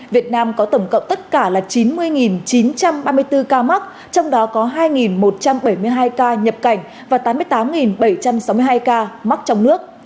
việt nam có tổng cộng tất cả là chín mươi chín trăm ba mươi bốn ca mắc trong đó có hai một trăm bảy mươi hai ca nhập cảnh và tám mươi tám bảy trăm sáu mươi hai ca mắc trong nước